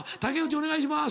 お願いします。